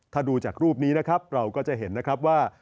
ถ้าดูจากรูปนี้นะครับเราก็จะเห็นนะครับว่า